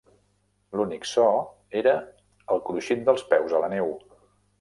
L'únic so era el cruixit dels peus a la neu.